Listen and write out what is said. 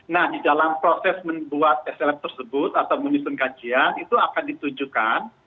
nah di dalam proses membuat slm tersebut atau menyusun kajian itu akan ditujukan